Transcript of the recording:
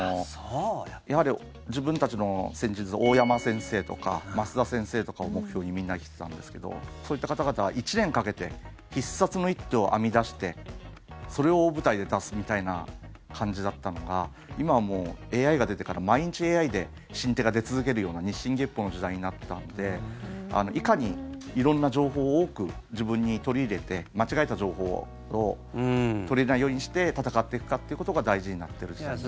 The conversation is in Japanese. やはり自分たちの戦術大山先生とか升田先生とかを目標にみんな来てたんですけどそういった方々は１年かけて必殺の一手を編み出してそれを大舞台で出すみたいな感じだったのが今はもうＡＩが出てから毎日ＡＩで新手が出続けるような日進月歩の時代になったのでいかに色んな情報を多く自分に取り入れて間違えた情報を取り入れないようにして戦っていくかってことが大事になっている時代になってます。